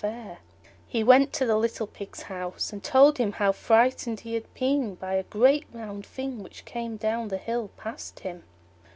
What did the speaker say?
He went to the little Pig's house, and told him how frightened he had been by a great round thing which came down the hill past him.